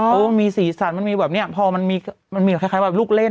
อ๋อเพราะมีสีสันมันมีแบบเนี้ยพอมันมีมันมีแค่คล้ายแค่แบบลูกเล่น